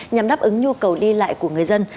nhằm đáp ứng nhu cầu đi lại của người dân